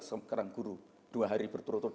sekarang guru dua hari berturut turut